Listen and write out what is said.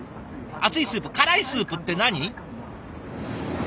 熱いスープ辛いスープって何？